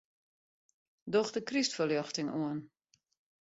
Doch de krystferljochting oan.